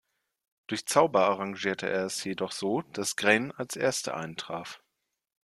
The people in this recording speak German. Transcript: Durch Zauber arrangierte er es jedoch so, dass Gráinne als erste eintraf.